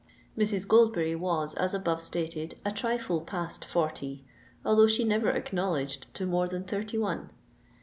Mrs. Goldberry was, as above stated, a trifle past forty; although she never acknowledged to more than thirty one.